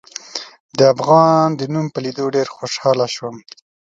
د افغان د نوم په لیدلو ډېر زیات خوشحاله شوم.